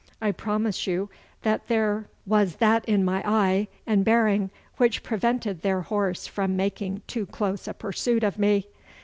I promise you that there was that in my eye and bearing which prevented their horse from making too close a pursuit of me.